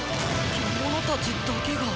獣たちだけが。